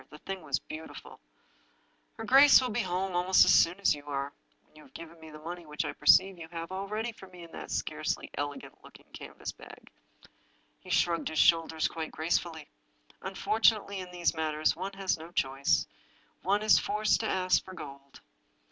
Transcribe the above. The thing was beautiful !" Her gjace will be home almost as soon as you are — when you have given me the money which I perceive you have all ready for me in that scarcely elegant looking can vas bag." He shrugged his shoulders quite gracefully. " Unfortunately, in these matters one has no choice— one is forced to ask for gold."